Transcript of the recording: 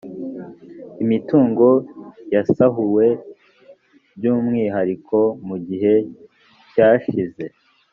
imitungo yasahuwe by umwihariko mu gihe cyashize